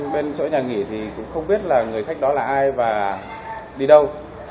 bên chỗ nhà nghỉ thì cũng không biết là người khách đó là ai và đi đâu